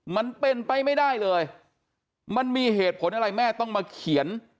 มันเป็นไปไม่ได้เลยมันมีเหตุผลอะไรแม่ต้องมาเขียน